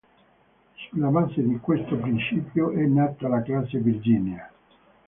Sulla base di questo principio è nata la classe Virginia.